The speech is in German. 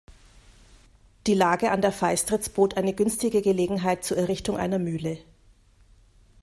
Die Lage an der Feistritz bot eine günstige Gelegenheit zur Errichtung einer Mühle.